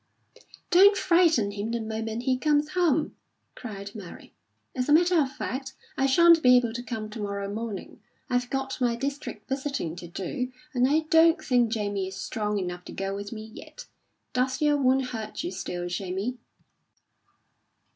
"Don't frighten him the moment he comes home," cried Mary. "As a matter of fact, I shan't be able to come to morrow morning; I've got my district visiting to do, and I don't think Jamie is strong enough to go with me yet. Does your wound hurt you still, Jamie?"